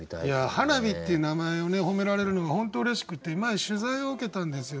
「はなび」っていう名前を褒められるのが本当うれしくて前取材を受けたんですよ。